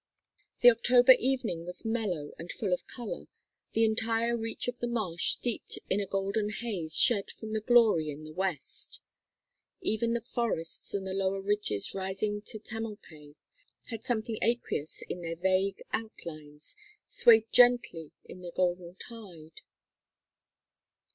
The October evening was mellow and full of color, the entire reach of the marsh steeped in a golden haze shed from the glory in the west. Even the forests and the lower ridges rising to Tamalpais had something aqueous in their vague outlines, swayed gently in the golden tide.